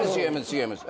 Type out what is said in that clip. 違います。